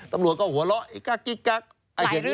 ตำรวจก็หัวเราะอีกกักทิกกัก